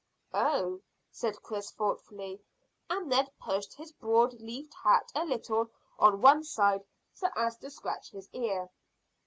"Oh!" said Chris thoughtfully, and Ned pushed his broad leaved hat a little on one side so as to scratch his ear.